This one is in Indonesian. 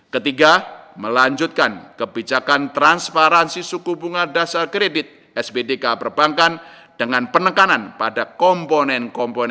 ketiga melanjutkan kebijakan transparansi suku bunga dasar kredit sbdk perbankan dengan penekanan pada komponen komponen